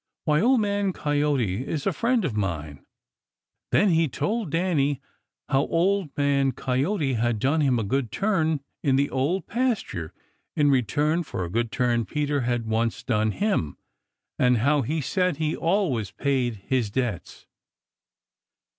Why, Old Man Coyote is a friend of mine." Then he told Danny how Old Man Coyote had done him a good turn In the Old Pasture in return for a good turn Peter had once done him, and how he said that he always paid his debts.